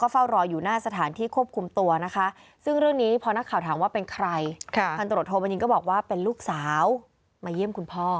พี่สาวมาเยี่ยมคุณพ่อ